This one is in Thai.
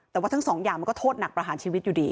แต่ว่าทั้งสองอย่างมันก็โทษหนักประหารชีวิตอยู่ดี